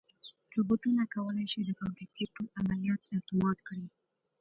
روبوټونه کولی شي د فابریکې ټول عملیات اتومات کړي.